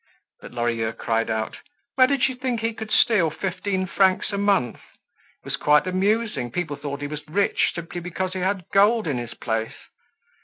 But Lorilleux cried out. Where did she think he could steal fifteen francs a month? It was quite amusing, people thought he was rich simply because he had gold in his place.